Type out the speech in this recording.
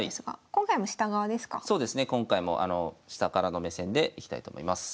今回も下からの目線でいきたいと思います。